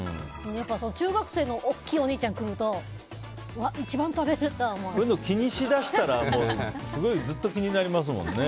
中学生の大きなお兄ちゃんが来ると気にしだしたらずっと気になりますもんね。